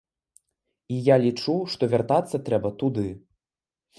І я лічу, што вяртацца трэба туды.